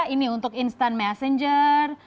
ini untuk instant messenger